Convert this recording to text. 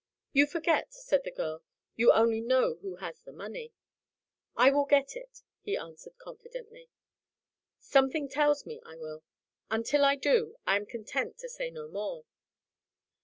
"You forget," said the girl, "you only know who has the money." "I will get it," he answered confidently. "Something tells me I will. Until I do, I am content to say no more."